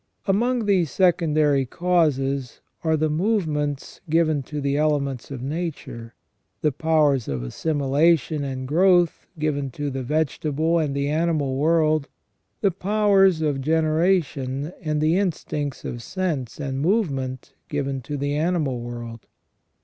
Among these secondary causes are the movements given to the elements of nature, the powers of assimilation and growth given to the vegetable and the animal world, the powers of generation, and the instincts of sense and movement given to the animal world.